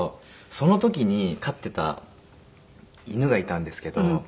その時に飼ってた犬がいたんですけど。